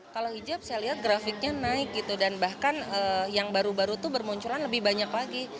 kalau hijab saya lihat grafiknya naik gitu dan bahkan yang baru baru itu bermunculan lebih banyak lagi